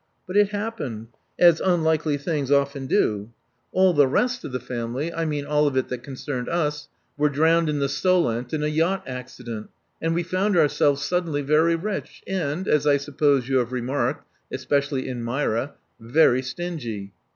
But it happened, as unlikely things often do. All the rest of the family — I mean all of it that concerned us — were drowned in the Solent in a yacht accident; and we found ourselves suddenly very rich, and, as I suppose you have remarked — especially in Myra — very stingy.